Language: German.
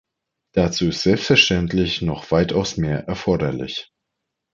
Dazu ist selbstverständlich noch weitaus mehr erforderlich.